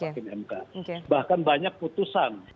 hakim mk bahkan banyak putusan